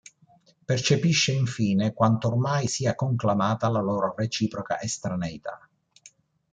Percepisce infine quanto ormai sia conclamata la loro reciproca estraneità.